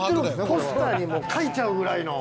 ポスターに書いちゃうぐらいの。